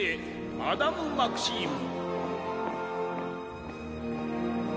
マダム・マクシーム